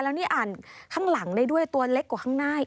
แล้วนี่อ่านข้างหลังได้ด้วยตัวเล็กกว่าข้างหน้าอีก